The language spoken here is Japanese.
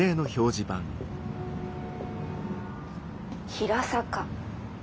「平坂」。